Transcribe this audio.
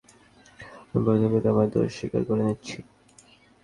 আমি প্রথমে আমার দোষ স্বীকার করে নিচ্ছি।